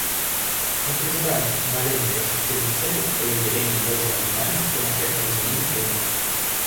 Мы призываем к установлению перспективных целей при уделении должного внимания всем аспектам изменения климата.